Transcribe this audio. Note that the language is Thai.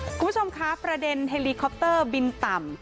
คุณผู้ชมคะประเด็นเฮลีคอปเตอร์บินต่ำ